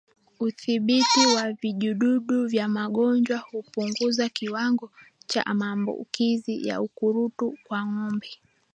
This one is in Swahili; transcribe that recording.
Udhibiti wa vijidudu vya magonjwa hupunguza kiwango cha maambukizi ya ukurutu kwa ngombe